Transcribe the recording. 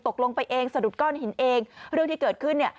ตกลงไปเองสะดุดก้อนหินเองเรื่องที่เกิดขึ้นเนี่ย